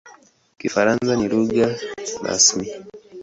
Kifaransa ni lugha rasmi.